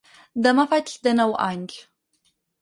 Demà faig dènou anys.